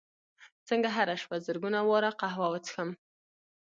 څنګه هره شپه زرګونه واره قهوه وڅښم